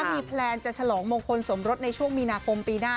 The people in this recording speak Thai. มีแพลนจะฉลองมงคลสมรสในช่วงมีนาคมปีหน้า